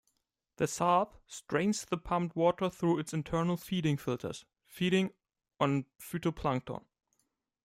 The salp strains the pumped water through its internal feeding filters, feeding on phytoplankton.